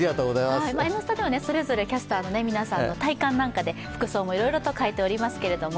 「Ｎスタ」ではそれぞれキャスターの皆さんの体感なんかで服装もいろいろと変えておりますけども。